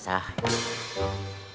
saya edo mau nebus ijasa